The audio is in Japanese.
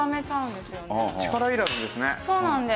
そうなんです。